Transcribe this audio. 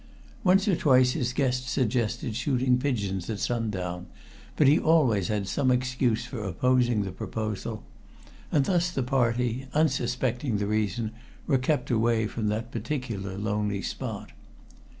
Once or twice his guests suggested shooting pigeons at sundown, but he always had some excuse for opposing the proposal, and thus the party, unsuspecting the reason, were kept away from that particular lonely spot.